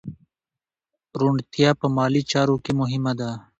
روڼتیا په مالي چارو کې مهمه ده.